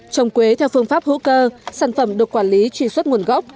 trồng quế theo phương pháp hữu cơ sản phẩm được quản lý truy xuất nguồn gốc